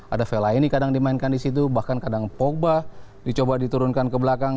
ada fellaini kadang dimainkan disitu bahkan kadang pogba dicoba diturunkan ke belakang